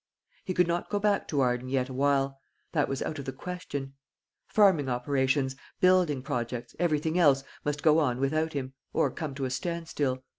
He could not go back to Arden yet awhile, that was out of the question. Farming operations, building projects, everything else, must go on without him, or come to a standstill.